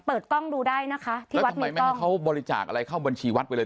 เปิดกล้องดูได้นะคะที่วัดทำไมไม่ให้เขาบริจาคอะไรเข้าบัญชีวัดไปเลย